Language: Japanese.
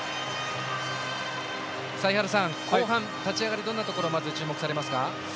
井原さん、後半の立ち上がりはどんなところにまず、注目されますか？